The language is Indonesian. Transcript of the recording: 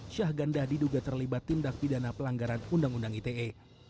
syahganda diduga terlibat tindak pidana pelanggaran undang undang ite